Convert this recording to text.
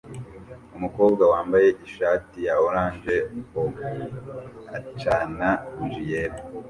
Umukobwa wambaye ishati ya orange acana buji yera